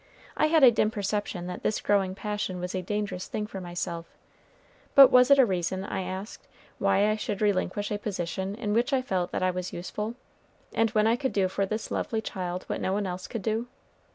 I had a dim perception that this growing passion was a dangerous thing for myself; but was it a reason, I asked, why I should relinquish a position in which I felt that I was useful, and when I could do for this lovely child what no one else could do?